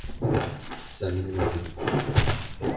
زمین مزروع